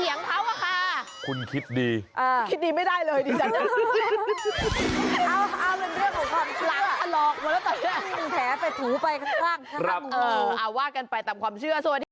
เอาว่ากันไปตามความเชื่อ